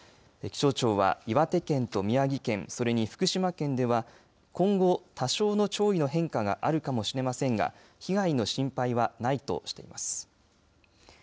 気象庁は岩手県と宮城県それに福島県では今後、多少の潮位の変化があるかもしれませんが被害の心配はないとしています。